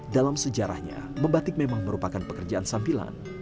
dalam sejarahnya membatik memang merupakan pekerjaan sambilan